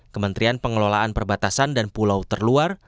kementerian pengelolaan perbatasan dan pulau terluar